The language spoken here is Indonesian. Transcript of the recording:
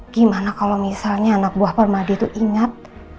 gimana kalau misalnya anak buah permadi itu ingat